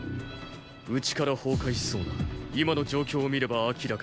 内から崩壊しそうな今の状況を見れば明らかだ。